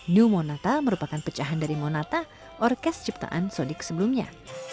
new monata merupakan pecahan dari monata orkes ciptaan sodik sebelumnya